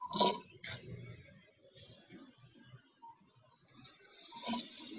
สวัสดีครับ